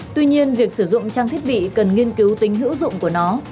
tuy nhiên việc sử dụng trang thiết bị cần nghiên cứu tính hữu dụng của nó